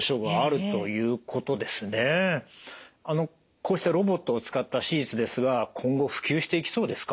こうしたロボットを使った手術ですが今後普及していきそうですか？